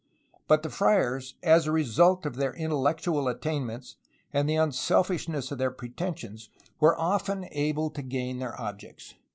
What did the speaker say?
But the friars, as a result of their intellectual attainments and the unselfish ness of their pretensions, were often able to gain their objects.